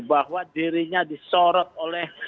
bahwa dirinya disorot oleh